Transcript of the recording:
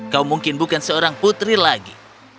kau mungkin bukan seorang putri lagi